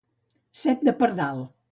Set de pardal.